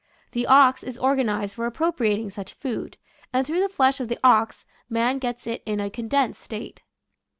The ox is organized for appropriating such food, and through the flesh of the ox man gets it in a condensed state.